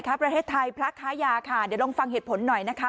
ประเทศไทยพระค้ายาค่ะเดี๋ยวลองฟังเหตุผลหน่อยนะคะ